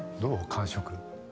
感触。